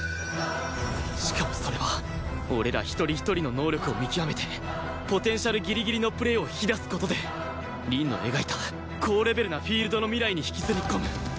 しかもそれは俺ら一人一人の能力を見極めてポテンシャルギリギリのプレーを引き出す事で凛の描いた高レベルなフィールドの未来に引きずり込む